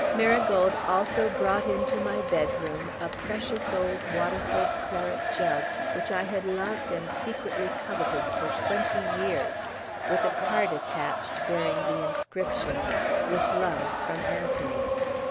Marigold also brought into my bedroom a precious old Waterford claret jug which I had loved and secretly coveted for twenty years, with a card attached bearing the inscription "With love from Anthony."